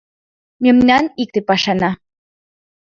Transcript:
Мемнан икте пашана